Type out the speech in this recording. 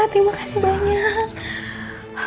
terima kasih banyak